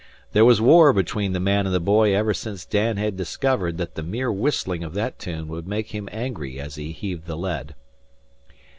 There was war between the man and the boy ever since Dan had discovered that the mere whistling of that tune would make him angry as he heaved the lead.